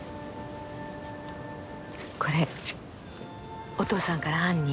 これお父さんから杏に。